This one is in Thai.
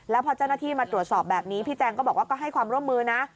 แล้วพอเจ้าหน้าที่มาตรวจสอบแบบนี้พี่แจงก็บอกว่าก็ให้ความร่วมมือนะ